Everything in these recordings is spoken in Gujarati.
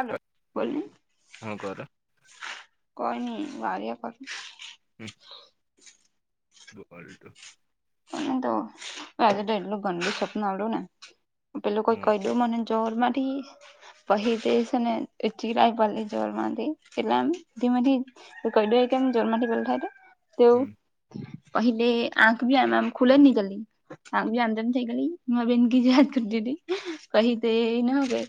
હલો બોલીને. હું કરો કોઈ નહીં વરીએ કરું. હમ્મ. બૂ હાલ તો. અહીં તો આજે તો એટલું ગંદુ સપનું આવ્યું ને પેલું કોઈ હમ કહી દઉં મને ચોર માંથી પહી જઈશ ને ચીરાઈ પલી જર માંથી એટલેમ ધીમેધી તું કહીદે કેમ જન્માથી બલ થાય તો હમ તે કહે આંખ ભી આમ આમ ખુલે નહીં જલ્દી. આમ ભી આમદની થઈ ગલી મા બેન કહી યાદ કર દી કહી તે એને ના હવે.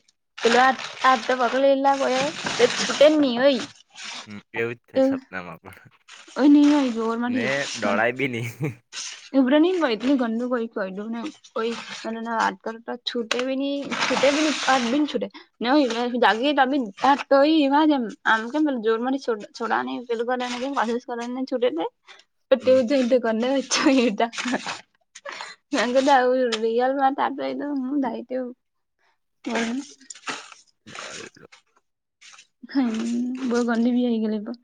પેલો આ આઠ તો પાક લઈ લ ગ છટે હની હોય. હમ્મ એવું જ થાય સપના માં પણ ઓય ની ઓય જોર ને દોળાય બી નહીં. ઉબ્ર નહી હોઈ એટલું ગંદુ કોઈ કૈંડુ ને કોઈ અને એને વાત કકરું તો છૂટે બી છૂટે બી નહીં આટબીન છૂટે. નહીં મેં જાગી તા બી તોઈ એવાજ એમ આમ કેમ જોર માંથી છોડ છોડાં નહીં પેલું ગોને કે કશિશ કરા ને છૂટે મેં એ તે હમ ધન તો કરને છે એ દા મેં કયું આ રિયલ માં આવ તો દાઇતુ હમ્મ. વાયલુ હમ બહું ગંદી ભી ગયલી પણ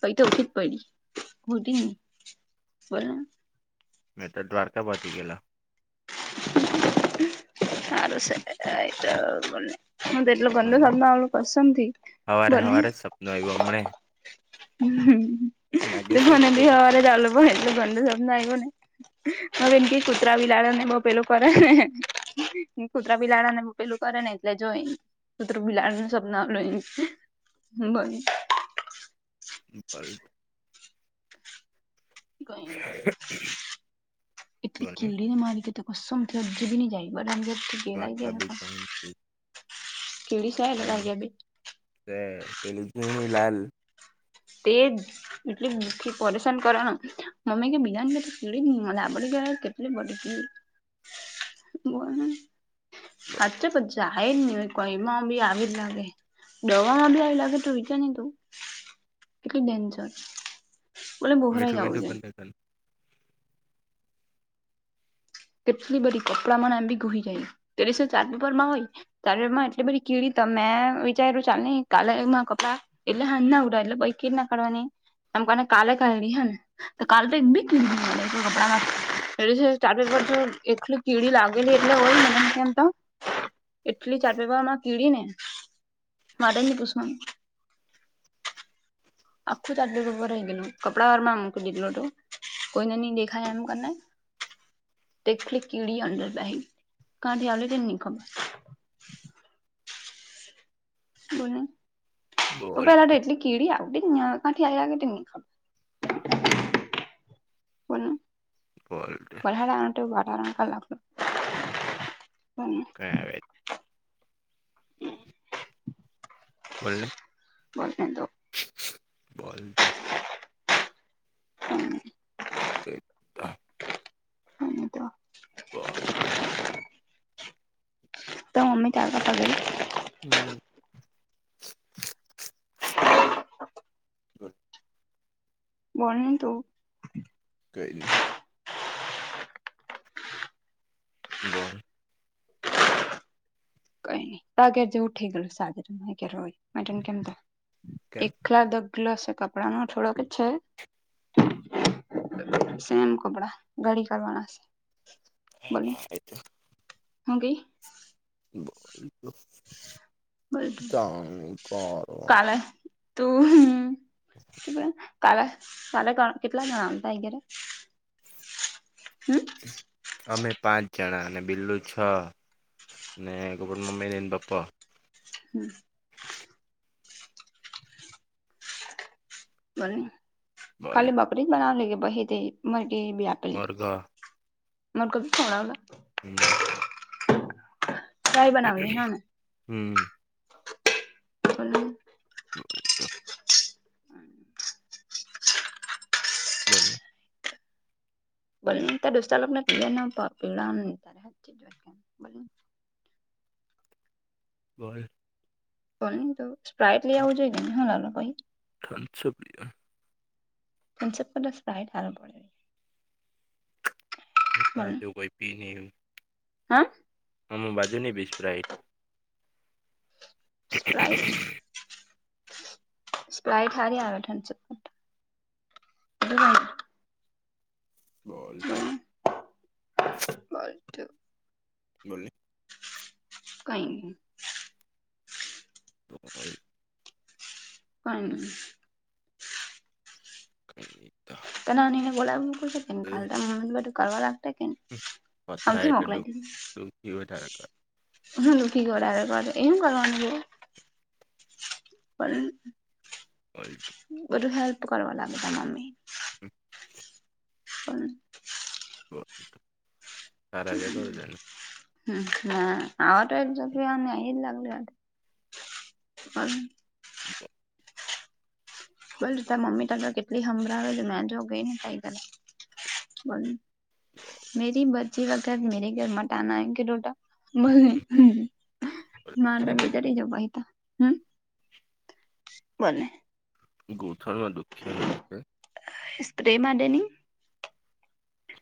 પૈ તો ઓછી જ પડી હોતી ને બોલને મેં તો દ્વારકા વતી ગેએલા. હારું છે એ [inaudible] એટલો ગંદો સપનો બોલ ને. આવિયો કસમથી બોલને. નવી બમ્બૈય. તો નાગેશ્વર મને ગયો ભી તો. હવારે આલ લોકો એટલું ગંદુ સપનો આઈવો ને. હા બેન કે કૂતરા બી લડડા ને બઉ પેલું કરે ને કૂતરા બીલાડા ને પેલું કરે ને એટલે જોયન કુતરુ બિલાડું નું સપના લઈ બ પલટ ક એટલી બોલ ને. કીડીને મારી કે કસમથી હજુ બી ની જાય બધાથી નાસ્તાભી તય છે કીડી શે તારૅ ધેર બી એ પેલી જીણી લાલ તે જ એટલી દુઃખી પરેશાન કરે ન મમ્મી કે બીજા ને ધેર કીડી જ ની મળે આપડી ઘેર બટકી બોલાને સાચ્ચે પછી જાય જ નહી કઈમાં બી આવી જ લાગે દવામાં બી આવી લાગે તું વિચાર ને તું એટલી ડેન્જર બલે મીઠું બોહરાઈ આવું મીઠું પણ જોઈએ લખન. કેટલી બધ કપડાંમાં આબી ઘુહી ગાય ત્યારે શ ચાર પીપર માં હોય શરીરમાં એટલી બધી કીડી તમે વિચાર્યું ચાલ ની કાલેમાં કપડાં એટલે હાજના ઉઠયા એટલે પછી કેવી રીત ના કાઢવાની એમ કોને કાલે કાઈઢી હેને તો કાલ તો બી કી ની મલે તો કપડામાં સાર્ટ એટલી કીડી લાગેલી એટલે હોય મને કેમ તો એટલી ચાદરમાં કીડી ને વાત ની પુછવાની આખું ચાટ પેપર રહી ગયલું કપડા વાર માં મુકી દીધેલું હતું કોઈને ની દેખાય એમ કરને એક કીડી અંંદર બેહેલી કાથી આવલી તે ની ખબર બોલ ને બોલ પહેલા તો એટલી કીડી આવતી નહી કા થી આઇવા કરે તે ની ખબર બોલ ને પોલ્ટે હાલ આટો મારવા નો કાલ આપણે કઈ આવે બોલને બોલનૅ તો બોલ તું હમ કિત્તાં હ ને તો બાઈક તાર મમ્મી શાક આપવા ગઈ તી હમ. ગુડ બોલની તુ ગએલી બોલ કઈ નઈ તો અગર જેવું ઉઠી ગયલું સાજરય કેમ એક- - કેમ આખલા ઢગલો કપડાનો થોડોક છે. સેમ કપડા. ગડી કરવાના છે. બોલની હા એ તો હું કે? [inaudible] બોલ કરવાનું- કાલે - તું કા કાલા કેટલા જણા આવવાના તારી ધરૅ હમ. અમે પાંચ જણા અને બિલ્લું છ ને એક ઉપર મમ્મી ને પપ્પા હમ. બ બોલ ખાલી બકરી જ બનાવ લ કેે પ હ તે મરકી બી- - મરઘા- મર કો [unintelligible] હમ. હમ. [unintelligible] [unintelligible] બોલો બોલને તાર દોસ્તાર લોકને [unintelligible] તારે હાચી [unintelligible] બોલ ને. બોલ બોલને તો, સ્પ્રાઈટ લઈ આવું જોઈએ [unintelligible] [unintelligible] શુક્રિયા- - થમ્પસ અપ કરતા સ્પ્રાઇટ સારું પડે. [unintelligible] એવું કોઈ કોઈ પીને હાં અમાં બાજુની બિ સ્પ્રાઇટ? સ્પ્રરાઇટ- - સ્પ્રાઇટ હારી આવે થમ્પસઅપ કરતા [unintelligible] - - બોલ તો- - બોલ તો. બોલ ને. કઈ નહી. [unintelligible] કઈ નય. કઈ નય તા. [unintelligible] કરવા લાગ પથરાય અમથી એટલે મોકલાય દીધી. [unintelligible] હું દુઃખી [unintelligible] એ હું કરવાની તો? પણ- - પલ્ટ બધું હેલ્પ કરવા લાગુ તમને. [unintelligible] [unintelligible] હમ એવા કરી [unintelligible] દે હમ. ના આવા તો એક જગ્યા લાગ [unintelligible] [unintelligible] બોલ તા મમ્મી તને કેટલી હમરાવે છે મે જો ગઈ ને થઈ બોલને. મેરી બચી કા ઘર, મેરે ઘર મટ આના એમ કેટોટો. વાંધો નય, ઘરે જવું હોય તો. હમ. બને. ઘૂંટણમાં દુખ્યા કરે છે. સ્પ્રે માટેેની.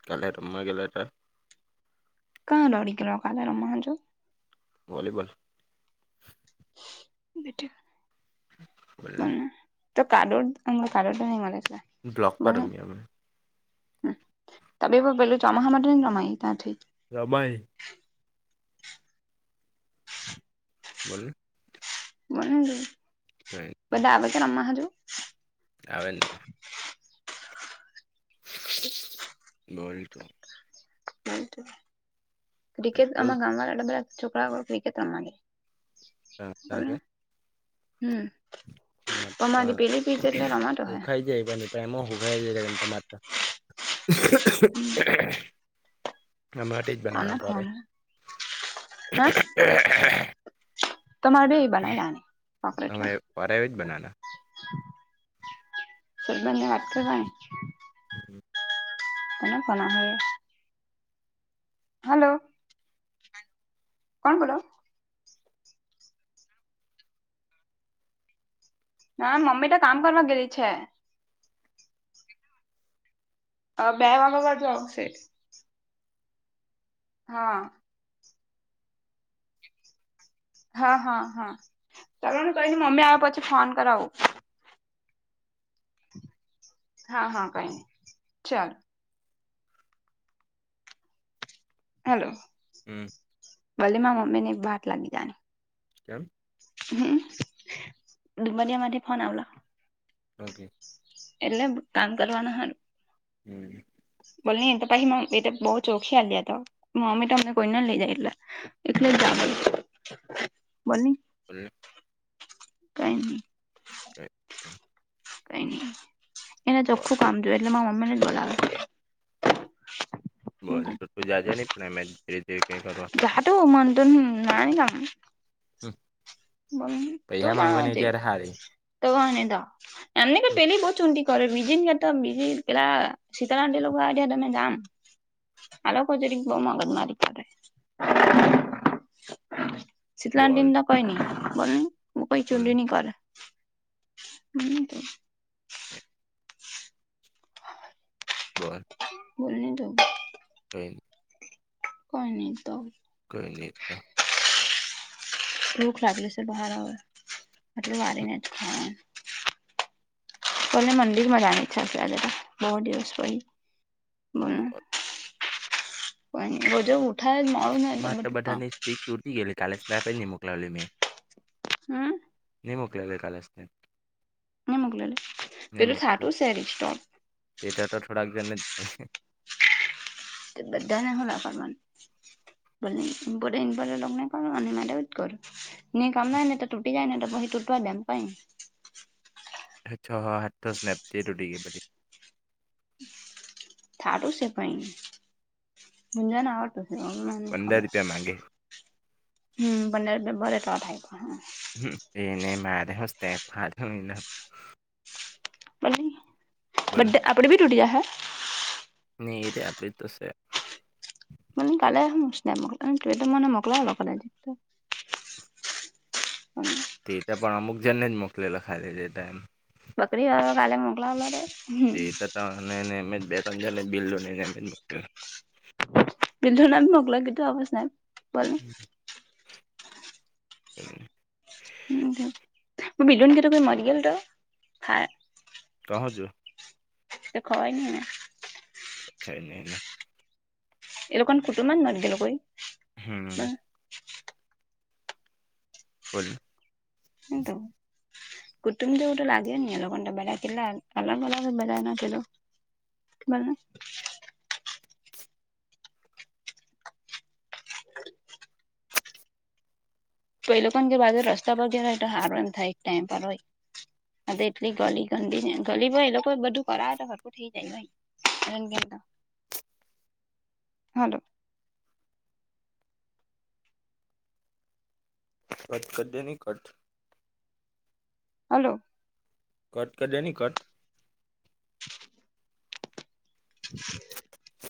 કાલે રમ્માં ગેલા હતા. કાં ડડીકેલોકાલેમ હજો. વોલીબોલ બેટું. બોલને. તો કાદવ કાદવ તો નય મલે તા બ્લોક પર રમીએ અમે. હ તમે પેલું ચોમાહા હોવા માટેને માય તા થી. રમાય. બોલો. બલ [unintelligible] જ [unintelligible] બધા આવે કે રમ્મા હજુ. આવે જ ને. બોલ તુ ક્રિકેટ પેટ્રોલ આમાં ગામ વાળા બધા છોકરાઓ પી કે તમ લગે બોલો હમ. તમા તમારી પેલી પીચ એટલે પણ રમાતો હે ઓખાઈ જાય પણને. પ્રેમો હુખાઈ જાય છે તમારે ત્યાં. કોના ફમ હમ? તમારે બે એ બનાયલા. તમે વારા જ બનાના. સબંધને વાત કર [unintelligible] હમ [unintelligible] તને બના હો. હલો. [unintelligible] કોણ કોલો? [unintelligible] ના મમ્મી તો કામ કરવા ગેલી છે. [unintelligible] અ બે વાગ વાર જાંશે [unintelligible] હા. [unintelligible] હા હા હા ચાલ કહી મમ્મી આવે પછી ફોન કરાવું. [unintelligible] હા હા કઈ નહી ચાલ. [unintelligible] હલો. હમ ભલીમાં મમ્મીને બાહટ લાગી જની. કેમ? હમ દબ દિયા માથી ફન આવેલો. ઓકે. એટલે કામ કરવાનું હ. હમ. બોને એ તો પછ એ બઉુ ચોખી હ લયા તો મમ્મી તો મમને કોઈને લઈ જાયલા. એલે જાવ બ [unintelligible] હ [unintelligible] કઈ નહી. ક [unintelligible] કઈ નઈ એને ચોખ્ખું કામ જોયું એટલે મા મમ્મી ને બોલાવે છે. બોલ તો તું જાજે નહી પણ એમે ધીરે ધીરે કઈ કરવા. જાતું મ તન નરા ન કામ [unintelligible] હમ પૈસા માંગવાની ત્યારે હારિ. તોગને દ એમને કે પહેલે બહુ ચંડી. કર બીજિ કે તમ બજ કેલા સીતારંદે લોકોવા તમે જામ. હલોકોજ ર બ મગજ મારી કરે. બોલ શીતલાંડી તો કઈ ન બો કોઈ બોલ ચુંડી નની કરે. હમ તો. અહે. બોલ ન તોું [unintelligible] રહે. કોઈ નહી તો. કોઈ નહી તા. ભૂખ લાગલી છે બહાર આવે મતલબ વાને જ ખાવા. તને મંદિરમાં જાની ચછે અત્યારે તો બહુ દિવસ પહિ. બર. કોઈ નહીં વો જો ઉઠાય મળું ને તમે તો કામ. તૂરટી ગેલી કાલે સ્ને પ મોકલાવી મેં. હમ્મ. નહીં મોકલાવી એ કાલે સ્નેહ. નો મોકલાવી પેલું થાટું શેરી સ્ટો તેટટ થોડાને તે બધાને હું ના કરવાનું. ભલે ઇમ્પોર્ટન લગ્ન કરો અને માટેવું જ કરું. ની કામ ના ને તો તૂટી જાય ને તો પછી તૂટવા દમ પઈ. અચ્છા હા હા તોજ ને તે તૂટી ગઈ પહિ. થાટું છે ભાઈ મુંજણ આવડતું છે હને પંદર ખબર. રૂપિયા માંગે હમ્મ બંને બ બને થાય કોય. હમ્મ તે એને મારે હસ્તે ફાલતુ નીના બને બોલ બધે આપડે ભી તૂટી જા હૈ. નહી એતે આપડે તો છે. મને કાલે હુસ તો મને મોકલાય લોકો ને હજી તો. હા. તેટા પણ અમુક જનને જ મોકલેલા ખાલી ટાઈમ. બકરી આયા કાલે મોકલાવા માટે. તે તો તને ને હમે બે ત્રણ બિલ લો લેને મોકલે. બિંધુ ના મગલો કેતો આવજ ને બલ. હમ્મ. હ બધન ગીતો કો મરી ગલ તો હા. કહો છો. તે ખવાય ન ને. અચછ એ મહને [unintelligible] એ લોકોકમ કુટુંમાંન નગેલું કોઈ. હમ. બોલ. એ તો [unintelligible] કુટુંબ દવ તો લાગે ને અ લોકોગ બે કેટલા અલગ અલગ બલા ના કેલો. મન [unintelligible] તો એ લોકો ને જે બાજુ રસ્તા પર ગય તો હારો એમ થાય ટાઈમ પર હોય. હ એટલી ગલી ગંદી ગલી ભ એ લોકો બધું કરાવે તો હરકું થઇ જાય. હાલો. કત કઢે ન કટ [unintelligible] હલો. કટ ક દેની કટ. હ [inaudible]